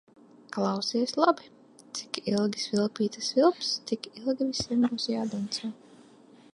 Klausies labi: cik ilgi svilpīte svilps, tik ilgi visiem būs jādanco.